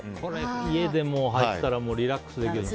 家で着てたらリラックスできそう。